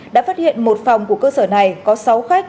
đã phát hiện một phòng của cơ sở này có sáu khách